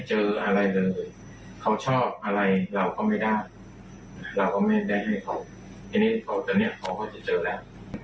จริงเราก็สุขใจสบายใจไปด้วยเมื่อเราสุขใจสบายใจแล้วเราก็มีอะไรเราก็บอกเจอที่ไป